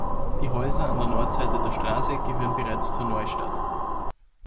Die Häuser an der Nordseite der Straße gehörten bereits zur Neustadt.